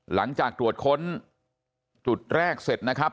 หลังจากตรวจค้นจุดแรกเสร็จนะครับ